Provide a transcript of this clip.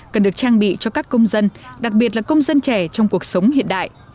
cần được trang bị cho các công dân đặc biệt là công dân trẻ trong cuộc sống hiện đại